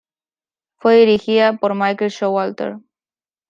Fue dirigida por Michael Showalter.